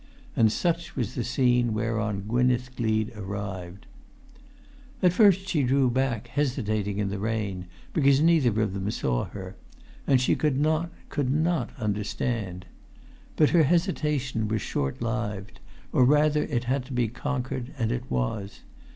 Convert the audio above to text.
And such was the scene whereon Gwynneth Gleed arrived. At first she drew back, hesitating in the rain, because neither of them saw her, and she could not, could not understand! But her hesitation was short lived, or, rather, it had to be conquered and it was.